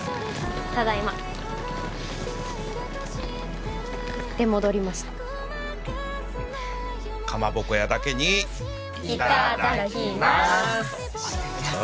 ただいま出戻りましたかまぼこ屋だけにいただきます